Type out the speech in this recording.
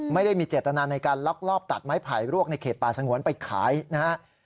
ไม่ได้มีเจตนาในการลักลอบตัดไม้ไผ่รวกในเขตป่าสงวนไปขายนะครับ